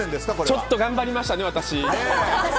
ちょっと頑張りましたね、私。